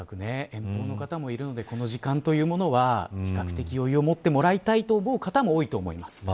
おそらく遠方の方もいるのでこの時間というのは比較的、余裕をもってもらいたいと思う方も多いと思います。